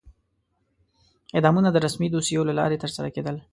اعدامونه د رسمي دوسیو له لارې ترسره کېدل.